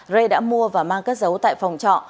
rê đã mua và mang cất giấu tại phòng trọ